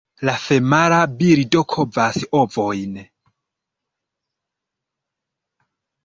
La femala birdo kovas ovojn.